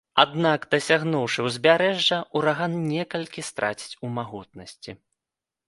Аднак дасягнуўшы ўзбярэжжа, ураган некалькі страціць у магутнасці.